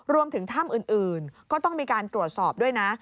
รวมถึงถ้ำอื่นก็ต้องมีการตรวจสอบด้วยนะ